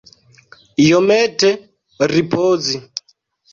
Iomete ripozi.